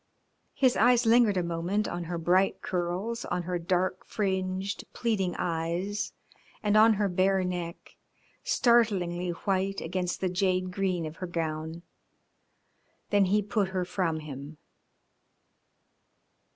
His eyes lingered a moment on her bright curls, on her dark fringed, pleading eyes and on her bare neck, startlingly white against the jade green of her gown, then he put her from him.